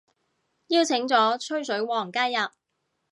邀請咗吹水王加入